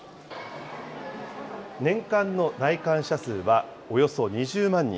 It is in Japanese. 年間の来館者数はおよそ２０万人。